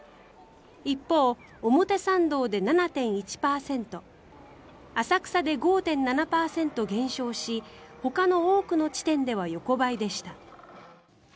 一方、表参道で７．１％浅草で５．７％減少しほかの多くの地点では横ばいでした。